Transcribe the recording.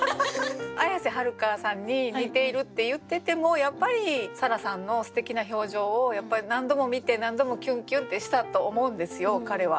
綾瀬はるかさんに似ているって言っててもやっぱり沙羅さんのすてきな表情をやっぱり何度も見て何度もキュンキュンってしたと思うんですよ彼は。